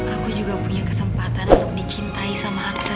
aku juga punya kesempatan untuk dicintai sama aksan